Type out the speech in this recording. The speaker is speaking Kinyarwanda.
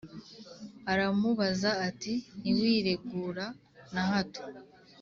aramubaza ati “Ntiwiregura na hato